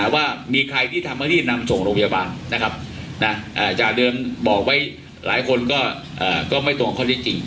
ว่ามีใครที่ทำให้รีบนำส่งโรงพยาบาลนะครับจากเดิมบอกไว้หลายคนก็ไม่ตรงข้อที่จริง